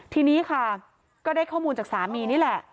ทีนี้ค่ะก็ได้ข้อมูลจากสามีนี่แหละ